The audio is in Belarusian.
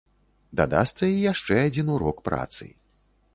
Дадасца і яшчэ адзін урок працы.